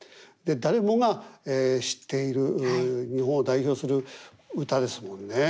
で誰もが知っている日本を代表する歌ですもんね。